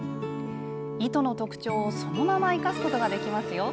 糸の特徴をそのまま生かすことができますよ。